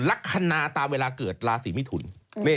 ลักษณะตามเวลาเกิดราศีมิถุน